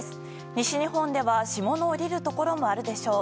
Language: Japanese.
西日本では霜の降りるところもあるでしょう。